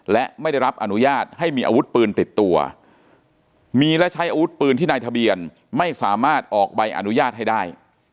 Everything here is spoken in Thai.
และไม่ได้รับอนุญาตให้มีอาวุธปืนติดตัวมีและใช้อาวุธปืนที่นายทะเบียนไม่สามารถออกใบอนุญาตให้ได้